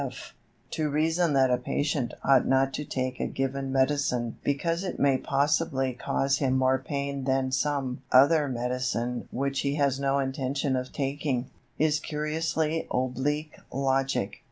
F. To reason that a patient ought not to take a given medicine because it may possibly cause him more pain than some other medicine which he has no intention of taking, is curiously oblique logic.